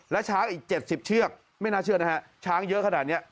และช้างอีก๗๐เชือกไม่น่าเชื่อนะฮะช้างเยอะขนาดนี้